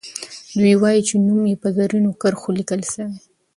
دوي وايي چې نوم یې په زرینو کرښو لیکل سوی.